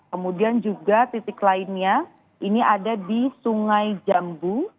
kemudian juga titik lainnya ini ada di sungai jambu